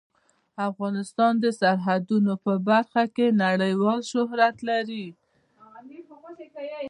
افغانستان د سرحدونه په برخه کې نړیوال شهرت لري.